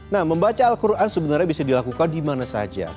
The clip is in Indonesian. nah membaca al quran sebenarnya bisa dilakukan di mana saja